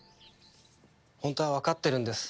本当はわかってるんです。